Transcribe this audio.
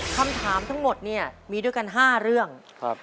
คำถามทั้งหมดเนี่ยมีด้วยกัน๕เรื่อง